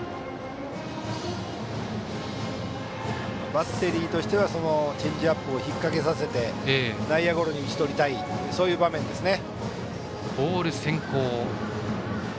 バッテリーはチェンジアップを引っ掛けさせて内野ゴロに打ち取りたいそういう場面ですね。